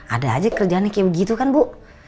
ada aja kerjaannya kayak begitu kan bu